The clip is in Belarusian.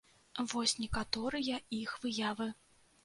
Вось некаторыя іх выявы.